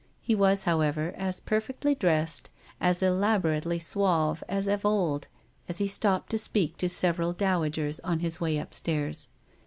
He was, however, as perfectly dressed, as elaborately suave as of old, and he stopped to speak to several dowagers on his way upstairs.